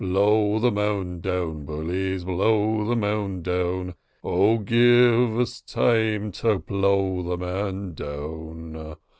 Blow the man down, bullies, blow the man down, Oh, give us time to blow the man down.